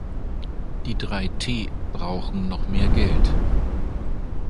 Die drei T brauchen noch mehr Geld.